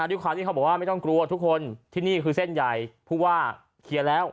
ด้วยความที่เขาบอกว่าไม่ต้องกลัวทุกคนที่นี่คือเส้นใหญ่ผู้ว่าเคลียร์แล้ว